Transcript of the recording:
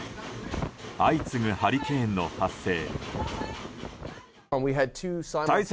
相次ぐハリケーンの発生。